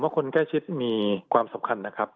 ผมว่าคนใกล้ชิดมีความสำคัญ